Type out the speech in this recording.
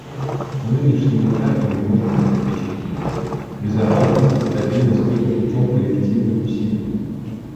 На нынешнем этапе мы можем обеспечить мир, безопасность и стабильность только путем коллективных усилий.